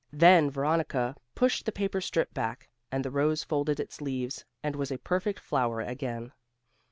Then Veronica pushed the paper strip back, and the rose folded its leaves and was a perfect flower again.